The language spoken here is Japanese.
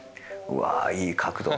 「うわいい角度。